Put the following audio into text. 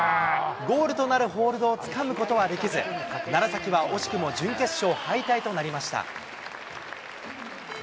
ゴールとなるホールドをつかむことはできず、楢崎は惜しくも準決勝敗退となりました。